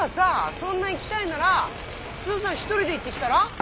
そんな行きたいならスーさん１人で行ってきたら？